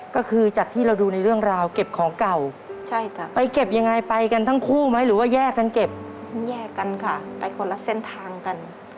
ก็คือจากที่เราดูในเรื่องราวเก็บของเก่า